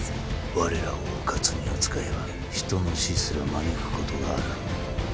我らをうかつに扱えば人の死すら招くことがある。